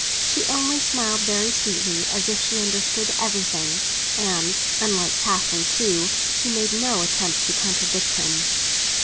She only smiled very sweetly, as if she understood everything; and, unlike Catherine too, she made no attempt to contradict him.